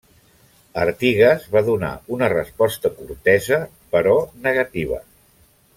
Artigas va donar una resposta cortesa però negativa.